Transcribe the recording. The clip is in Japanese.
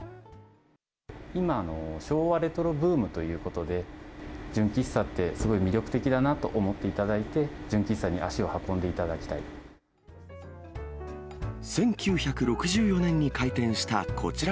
今、昭和レトロブームということで、純喫茶ってすごい魅力的だなと思っていただいて、１９６４年に開店したこちら